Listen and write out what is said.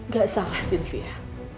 gak salah silvia